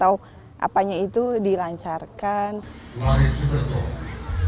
dari apa yang mereka uruskan dari beberapaiskus bisa bisa dimiliki tali turun lagi ke pakimal dari waktu ini